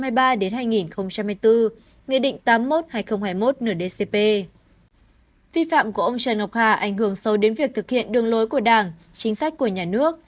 vi phạm của ông trần ngọc hà ảnh hưởng sâu đến việc thực hiện đường lối của đảng chính sách của nhà nước